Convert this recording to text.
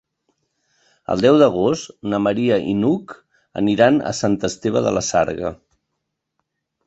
El deu d'agost na Maria i n'Hug aniran a Sant Esteve de la Sarga.